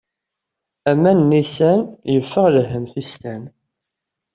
Aman n nnisan, yeffeɣ lhemm tistan.